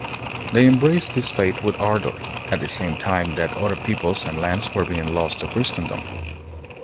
They embraced this faith with ardor, at the same time that ' other peoples and lands were being lost to Christendom.